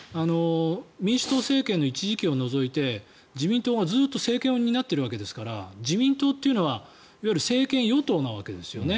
民主党政権の一時期を除いて自民党がずっと政権を担っているわけですから自民党というのはいわゆる政権与党のわけですよね。